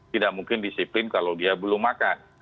tidak mungkin disiplin kalau dia belum makan